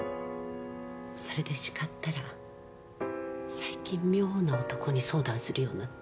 それで叱ったら最近妙な男に相談するようになって。